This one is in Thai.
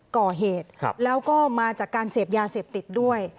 ก่อเหตุแล้วก็มาจากการเสพยาเสพติดด้วย